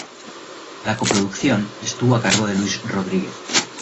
La co-producción estuvo a cargo de Luis Rodriguez.